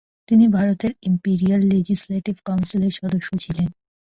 তিনি ভারতের imperial legislative কাউন্সিলের সদস্য ছিলেন।